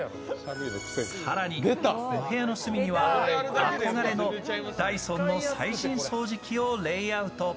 更にお部屋の隅には憧れのダイソンの最新掃除機をレイアウト。